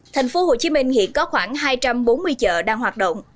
thành phố hồ chí minh hiện có khoảng hai trăm bốn mươi chợ đang hoạt động